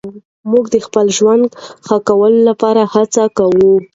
موږ د خپل ژوند ښه کولو لپاره هڅه کوو.